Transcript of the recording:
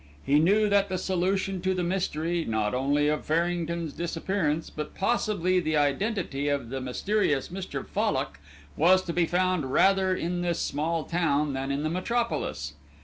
He knew that the solution to the mystery, not only of Farrington's disappearance, but possibly the identity of the mysterious Mr. Fallock, was to be found rather in this small town than in the metropolis.